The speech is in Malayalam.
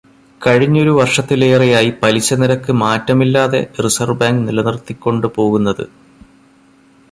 കഴിഞ്ഞൊരു വർഷത്തിലേറെയായി പലിശ നിരക്ക് മാറ്റമില്ലാതെ റിസർവ്വ് ബാങ്ക് നിലനിർത്തിക്കൊണ്ട് പോകുന്നത്?